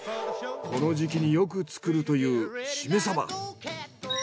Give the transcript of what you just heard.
この時期によく作るというしめサバ。